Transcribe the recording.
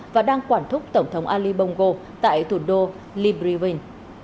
và đang quản thúc tổng thống ali bongo tại thủ đô libriving